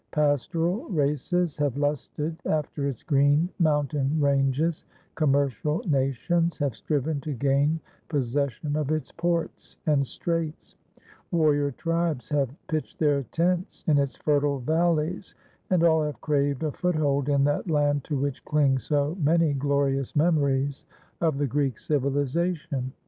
Pastoral races have lusted after its green mountain ranges; commercial nations have striven to gain possession of its ports and straits; warrior tribes have pitched their tents in its fertile valleys; and all have craved a foothold in that land to which cling so many glorious memories of the Greek civilization.